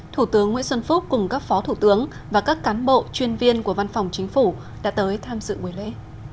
thủ tướng nguyễn xuân phúc cùng các phó thủ tướng và các cán bộ chuyên viên của văn phòng chính phủ đã tới tham dự buổi lễ